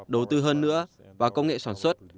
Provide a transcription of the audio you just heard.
đối tư hơn nữa vào công nghệ sản xuất